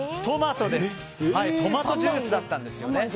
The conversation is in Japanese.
トマトジュースだったんですね。